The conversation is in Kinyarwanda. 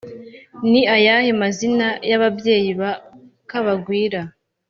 Ni ayahe mazina y’ababyeyi ba kabagwira?